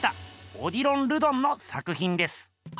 オディロン・ルドンの作ひんです。